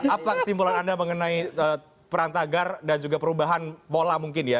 apa kesimpulan anda mengenai perang tagar dan juga perubahan pola mungkin ya